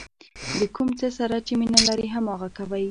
د کوم څه سره چې مینه لرئ هماغه کوئ.